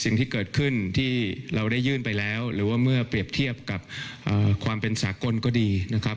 สิ่งที่เกิดขึ้นที่เราได้ยื่นไปแล้วหรือว่าเมื่อเปรียบเทียบกับความเป็นสากลก็ดีนะครับ